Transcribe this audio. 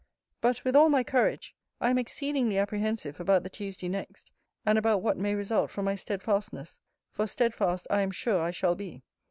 But, with all my courage, I am exceedingly apprehensive about the Tuesday next, and about what may result from my steadfastness; for steadfast I am sure I shall be.